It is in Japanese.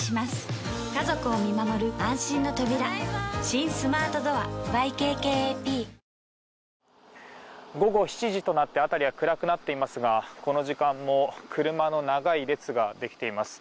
ちょっと高級なビールですもの午後７時となって辺りは暗くなっていますがこの時間も車の長い列ができています。